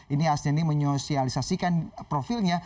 ini hasnani menyosialisasikan profilnya